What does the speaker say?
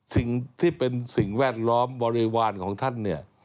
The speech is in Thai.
สิ่งที่เป็นสิ่งแวดล้อมบริวารของท่านเนี่ย